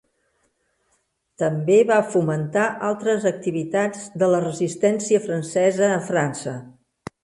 També va fomentar altres activitats de la resistència francesa a França.